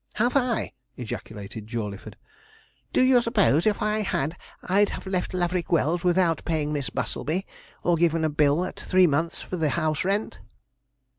'Have I!' ejaculated Jawleyford. 'Do you suppose, if I had, I'd have left Laverick Wells without paying Miss Bustlebey, or given a bill at three months for the house rent?'